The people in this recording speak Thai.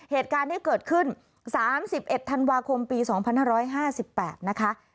เหตุการณ์ที่เกิดขึ้น๓๑ธันวาคมปี๒๕๕๘นะคะ